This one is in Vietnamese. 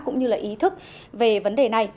cũng như là ý thức về vấn đề này